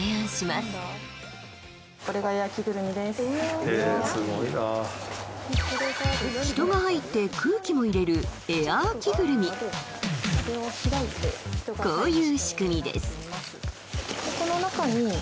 すごいな人が入って空気も入れるこれを開いてこういう仕組みです